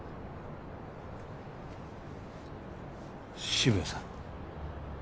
渋谷さん